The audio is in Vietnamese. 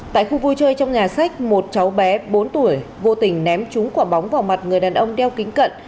tại khu vui chơi trong nhà sách một cháu bé bốn tuổi vô tình ném trúng quả bóng vào mặt người đàn ông đeo kính cận